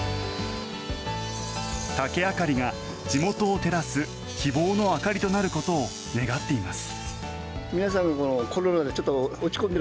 竹あかりが地元を照らす希望の灯りとなることを願っています。